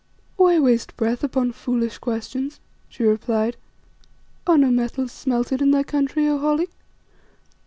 "Why waste breath upon foolish questions?" she replied. "Are no metals smelted in thy country, O Holly?